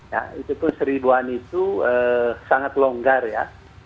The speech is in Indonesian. ya itu pun seribuan itu sangat longgar ya